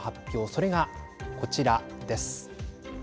それが、こちらです。